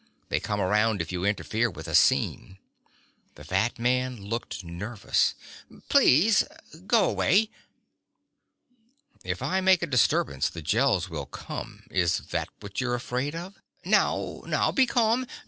They come around if you interfere with a scene." The fat man looked nervous. "Please. Go away." "If I make a disturbance, the Gels will come. Is that what you're afraid of?" "Now, now. Be calm.